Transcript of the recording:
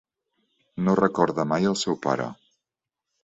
No recorda mai el seu pare.